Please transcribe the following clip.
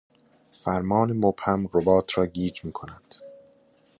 فرمان مبهم روبات را گیج می کند.